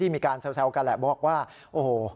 มีการแซวกันแหละบอกว่าโอ้โห